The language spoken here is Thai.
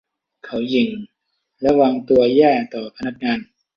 เขาหยิ่งและวางตัวแย่ต่อพนักงาน